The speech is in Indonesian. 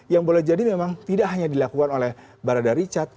yang boleh jadi memang tidak hanya dilakukan oleh barada richard